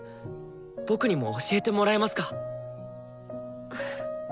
僕にも教えてもらえますか？